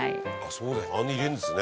「あんな入れるんですね」